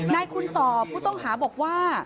นายคุณสอบผู้ต้องหาบอกว่า